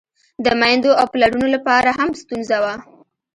د میندو او پلرونو له پاره هم ستونزه وه.